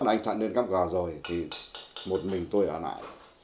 anh thận lên cắp cờ rồi thì một mình tôi ở lại